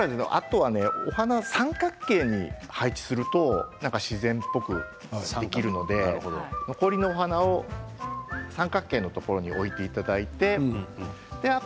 あとはお花は三角形に配置すると自然のようにできますので残りの花を三角形のところに置いてください。